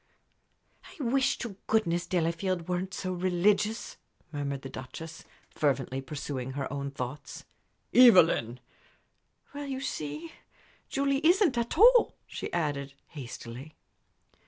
"I wish to goodness Delafield weren't so religious," murmured the Duchess, fervently, pursuing her own thoughts. "Evelyn!" "Well, you see, Julie isn't, at all," she added, hastily.